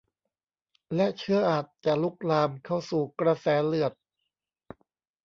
และเชื้ออาจจะลุกลามเข้าสู่กระแสเลือด